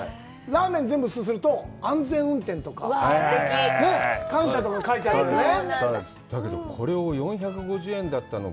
ラーメンを全部すすると安全運転とか「感謝」とか書いてあるんだよね。